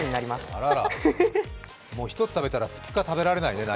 あらら、１つ食べたら２日何も食べられないね。